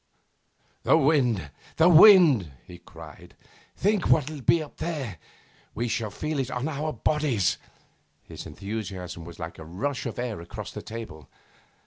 'The wind, the wind!' he cried. 'Think what it'll be up there! We shall feel it on our bodies!' His enthusiasm was like a rush of air across the table.